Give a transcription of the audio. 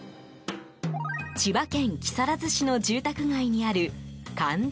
千葉県木更津市の住宅街にある寛傳